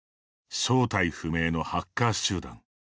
正体不明のハッカー集団。